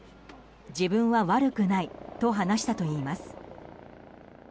自分は悪くないと話したといいます。